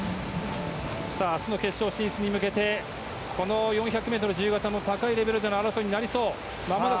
明日の決勝進出に向けてこの４００ｍ自由形も高いレベルでの争いになりそう。